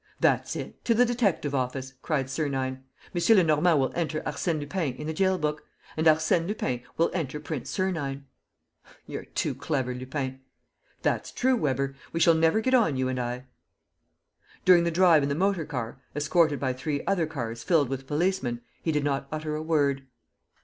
"That's it, to the detective office!" cried Sernine. "M. Lenormand will enter Arsène Lupin in the jail book; and Arsène Lupin will enter Prince Sernine." "You're too clever, Lupin." "That's true, Weber; we shall never get on, you and I." During the drive in the motor car, escorted by three other cars filled with policemen, he did not utter a word.